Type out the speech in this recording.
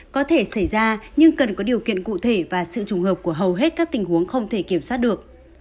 có thể xảy ra nhưng cần có điều kiện cụ thể và sự trùng hợp của hầu hết các tình huống không thể kiểm soát được